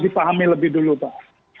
dipahami lebih dulu pak